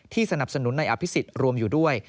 สนับสนุนในอภิษฎรวมอยู่ด้วย